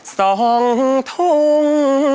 สองทง